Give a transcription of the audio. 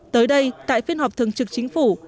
tới đây tại phiên họp thường trực chính phủ